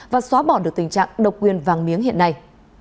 và xóa bỏ được tình trạng độc quyền vàng miếng hiện nay